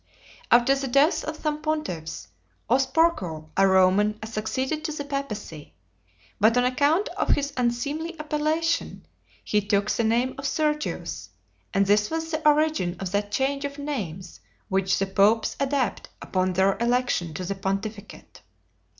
After the deaths of some pontiffs, Osporco, a Roman, succeeded to the papacy; but on account of his unseemly appellation, he took the name of Sergius, and this was the origin of that change of names which the popes adopt upon their election to the pontificate.